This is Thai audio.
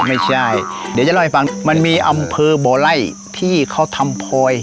ไม่ใช่เดี๋ยวจะเล่าให้ฟังมันมีอำเภอบ่อไล่ที่เขาทำพลอย